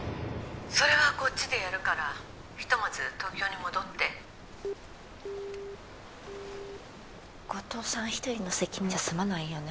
それはこっちでやるからひとまず東京に戻って後藤さん一人の責任じゃ済まないよね